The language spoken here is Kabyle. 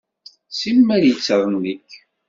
Simmal yettṛennik.